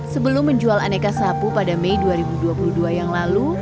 sebelum menjual aneka sapu pada mei dua ribu dua puluh dua yang lalu